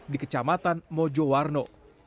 di kecamatan mojo warno